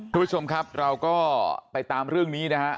คุณผู้ชมครับเราก็ไปตามเรื่องนี้นะฮะ